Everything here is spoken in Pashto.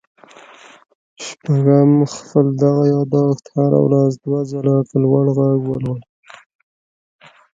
شپږم خپل دغه ياداښت هره ورځ دوه ځله په لوړ غږ ولولئ.